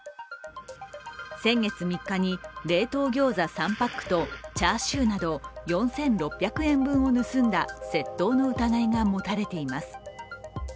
先月３日に冷凍ギョーザ３パックとチャーシューなど４６００円分を盗んだ窃盗の疑いが持たれています。